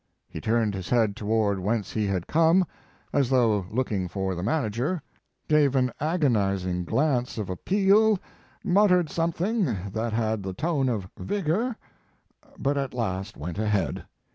He turned his head to ward whence he had come, as though looking for the manager, gave an agon izing glance of appeal, muttered some thing that had the tone of vigor, but at last went ahead.